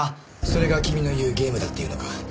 それが君の言うゲームだっていうのか？